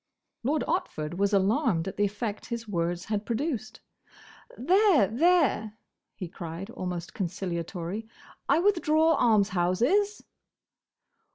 Lord Otford was alarmed at the effect his words had produced. "There! there!" he cried, almost conciliatorily, "I withdraw 'Almshouses!